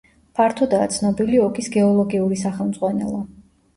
ფართოდაა ცნობილი ოგის გეოლოგიური სახელმძღვანელო.